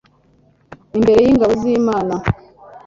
imbere y'ingabo z'imana